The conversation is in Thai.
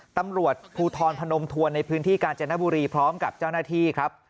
ตำรวจภูทรพนมทวนในพื้นที่กาญจนบุรีพร้อมกับเจ้าหน้าที่ครับ